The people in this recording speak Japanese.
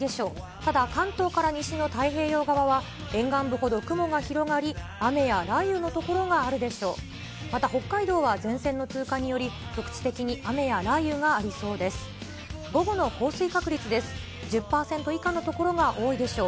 ただ関東から西の太平洋側は、沿岸部ほど雲が広がり、雨や雷雨の所があるでしょう。